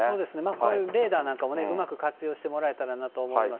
こういうレーダーなんかもね、うまく活用してしてもらえたらなと思います。